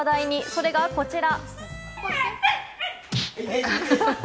それがこちら！